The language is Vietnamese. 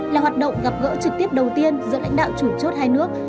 là hoạt động gặp gỡ trực tiếp đầu tiên giữa lãnh đạo chủ chốt hai nước